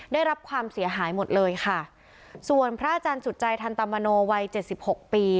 ได้รับความเสียหายหมดเลยค่ะส่วนพระอาจารย์สุดใจทันตมโนวัยเจ็ดสิบหกปี